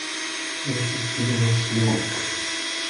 This is devils' work!